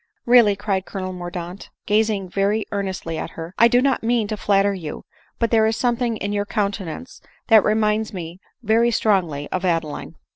" Really, cried Colonel Mordaunt, gazing veiy ear nestly at her, " I do not mean to flatter you, but there is something in your countenance that reminds me very strongly of Adeline."